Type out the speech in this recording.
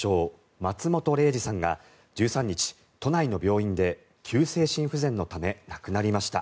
松本零士さんが１３日、都内の病院で急性心不全のため亡くなりました。